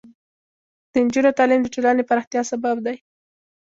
د نجونو تعلیم د ټولنې پراختیا سبب دی.